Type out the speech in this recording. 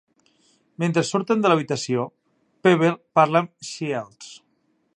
Mentre surten de l'habitació, Pebbel parla amb Shields.